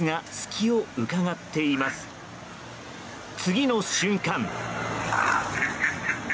次の瞬間。